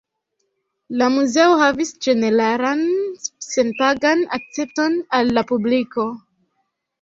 La muzeo havigas ĝeneralan senpagan akcepton al la publiko.